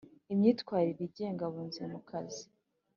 imyitwarire igenga abunzi mu kazi